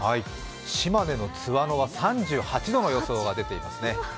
島根の津和野は３８度の予想が出ていますね。